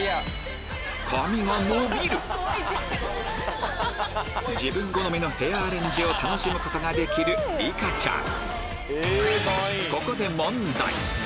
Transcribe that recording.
髪が伸びる自分好みのヘアアレンジを楽しむことができるリカちゃん